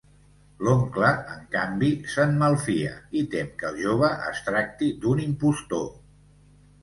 L'oncle, en canvi, se'n malfia i tem que el jove es tracti d'un impostor.